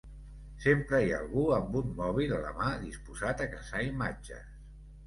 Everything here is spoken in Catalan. Sempre hi ha algú amb un mòbil a la mà disposat a caçar imatges.